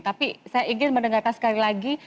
tapi saya ingin mendengarkan sekali lagi